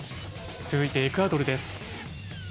続いてエクアドルです。